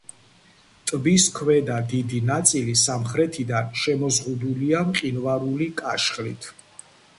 ტბის ქვედა დიდი ნაწილი სამხრეთიდან შემოზღუდულია მყინვარული „კაშხლით“.